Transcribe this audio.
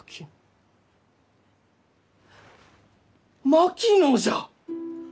槙野じゃ！